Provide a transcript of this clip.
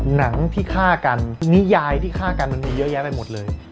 หนังที่ฆ่ากันนิยายที่ฆ่ากันมันมีเยอะแยะไปหมดเลย